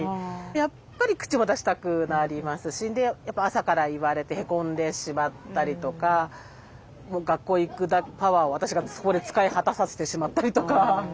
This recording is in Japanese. やっぱり口も出したくなりますしで朝から言われてヘコんでしまったりとかもう学校行くパワーを私がそこで使い果たさせてしまったりとか。